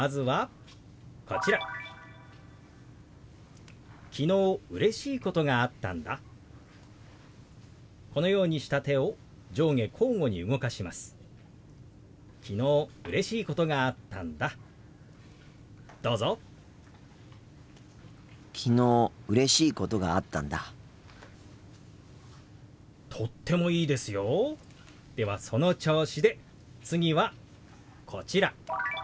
ではその調子で次はこちら。